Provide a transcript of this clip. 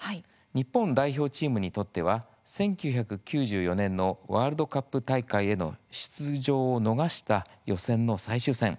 日本代表チームにとっては１９９４年のワールドカップ大会への出場を逃した予選の最終戦